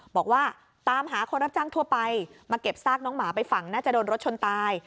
บอกว่าตามหาคนรับจ้างทั่วไปมาเก็บซากน้องหมาไปฝั่งน่าจะโดนรถชนตาย